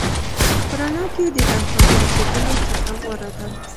په رڼا کې د تنها ګرځېدلو څخه غوره ده.